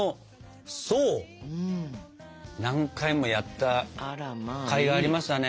何回もやったかいがありましたね。